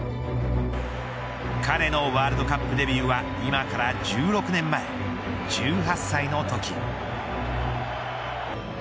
彼のワールドカップデビューは今から１６年前、１８歳のとき。